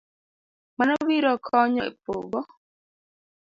Mano biro konyo e pogo